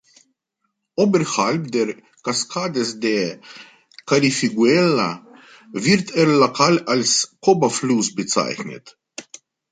Oberhalb der Cascades de Karifiguéla wird er lokal als Koba-Fluss bezeichnet.